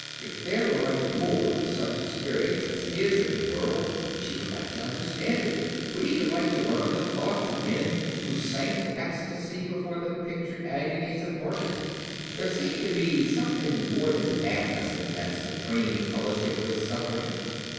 If there were much more of such experience as his in the world, she would like to understand it—would even like to learn the thoughts of men who sank in ecstasy before the pictured agonies of martyrdom. There seemed to be something more than madness in that supreme fellowship with suffering.